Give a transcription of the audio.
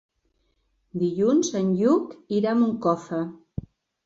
Dilluns en Lluc irà a Moncofa.